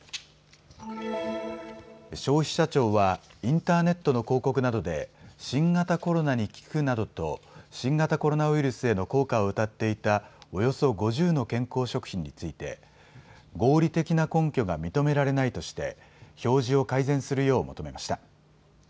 消費者庁はインターネットの広告などで新型コロナに効くなどと新型コロナウイルスへの効果をうたっていたおよそ５０の健康食品について合理的な根拠が認められないとして表示を改善するよう求めました。